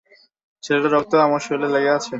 ছেলেটার রক্ত আমার শরীরে লেগে আছে!